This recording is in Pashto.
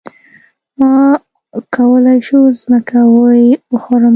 ما کولی شو ځمکه يې وخورمه.